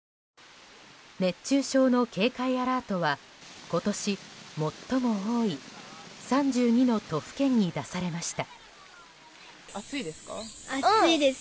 熱中症の警戒アラートは今年最も多い３２の都府県に出されました。